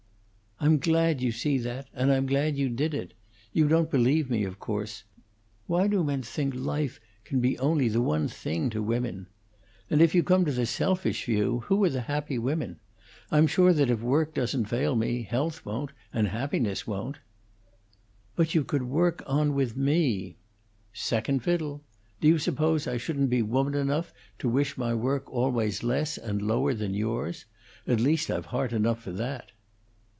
"I'm glad you see that; and I'm glad you did it. You don't believe me, of course. Why do men think life can be only the one thing to women? And if you come to the selfish view, who are the happy women? I'm sure that if work doesn't fail me, health won't, and happiness won't." "But you could work on with me " "Second fiddle. Do you suppose I shouldn't be woman enough to wish my work always less and lower than yours? At least I've heart enough for that!"